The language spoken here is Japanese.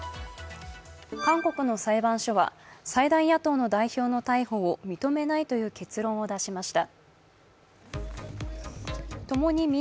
韓国の裁判所は、最大野党の代表の逮捕を認めないという結論を出しました。